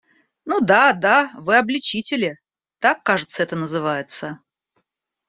Ну да, да, вы обличители, - так, кажется, это называется.